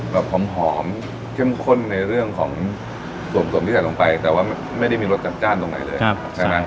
แบบหอมเข้มข้นในเรื่องของส่วนผสมที่ใส่ลงไปแต่ว่าไม่ได้มีรสจัดจ้านตรงไหนเลยใช่ไหม